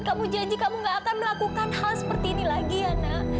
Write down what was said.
kamu janji kamu gak akan melakukan hal seperti ini lagi ya nak